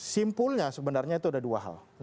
simpulnya sebenarnya itu ada dua hal